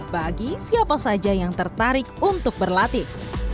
bagi siapa saja yang tertarik untuk berlatih